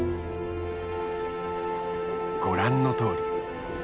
ご覧のとおり。